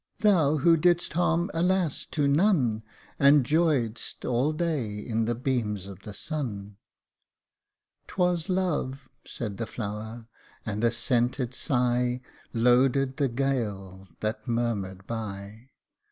Thou who did'st harm, alas ! to none, But joyed'st all day in the beams of the sun !"" 'Twas Love !" said the flower, and a scented sigh Loaded the gale that murmured by.